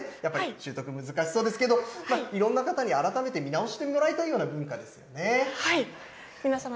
習得難しそうですけどいろんな方に改めて見直してもらいたいような皆さま